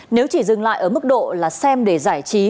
nếu chỉ dừng lại ở mức độ là xem để giải trí